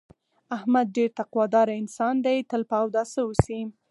احمد ډېر تقوا داره انسان دی، تل په اوداسه اوسي.